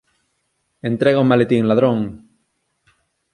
Entrega o maletín, ladrón.